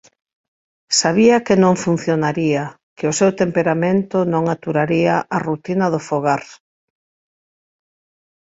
sabía que non funcionaría, que o seu temperamento non aturaría a rutina do fogar.